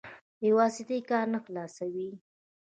بې واسطې کار نه خلاصوي.